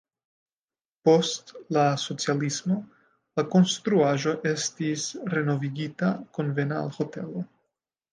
Post la socialismo la konstruaĵo estis renovigita konvena al hotelo.